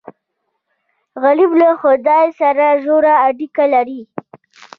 غریب له خدای سره ژور اړیکه لري